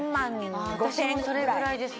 私もそれぐらいです